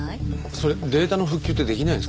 それデータの復旧ってできないんですかね？